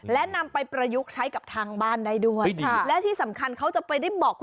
และนำไปประยุกต์ใช้กับทางบ้านได้ด้วยค่ะและที่สำคัญเขาจะไปได้บอกคุณ